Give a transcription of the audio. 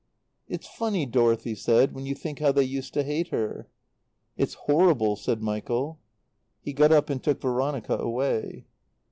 "It's funny," Dorothy said, "when you think how they used to hate her." "It's horrible," said Michael. He got up and took Veronica away.